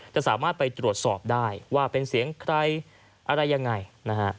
จะสามารถไปตรวจสอบได้ว่าเป็นเสียงใครอะไรยังไงนะฮะ